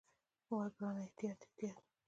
وه ګرانه احتياط احتياط.